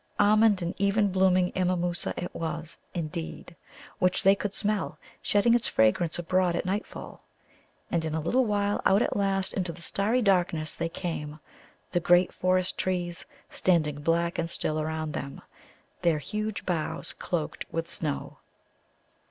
Almond and evening blooming Immamoosa it was, indeed, which they could smell, shedding its fragrance abroad at nightfall. And in a little while out at last into the starry darkness they came, the great forest trees standing black and still around them, their huge boughs cloaked with snow.